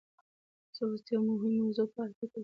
زه اوس د یوې مهمې موضوع په اړه فکر کوم.